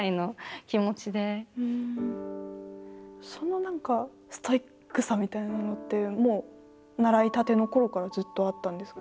その何かストイックさみたいなのってもう習いたてのころからずっとあったんですか？